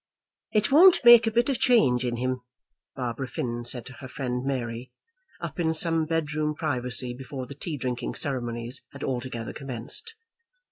"It won't make a bit of change in him," Barbara Finn said to her friend Mary, up in some bedroom privacy before the tea drinking ceremonies had altogether commenced.